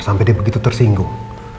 sampai dia begitu tersinggung